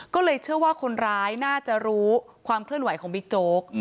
ก็เลยเชื่อว่าคนร้ายน่าจะรู้ความเคลื่อนไหวของบิ๊กโจ๊ก